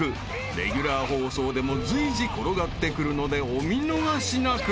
［レギュラー放送でも随時転がってくるのでお見逃しなく］